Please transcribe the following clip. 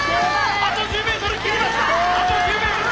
あと１０メートル切りました！